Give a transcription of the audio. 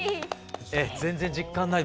全然実感ない。